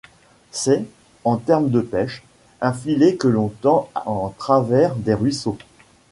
C'est, en termes de pêche, un filet que l'on tend en travers des ruisseaux.